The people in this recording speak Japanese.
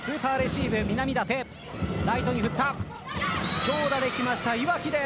強打できました、岩城です。